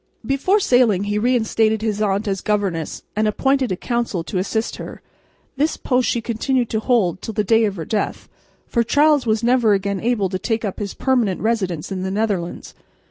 Before sailing he reinstated his aunt as governess, and appointed a council to assist her. This post she continued to hold till the day of her death, for Charles was never again able to take up his permanent residence in the Netherlands.